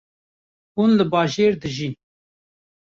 Hûn li bajêr dijîn